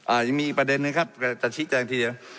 ยังมีอีกประเด็นนึงครับจะชี้แจงทีเดียว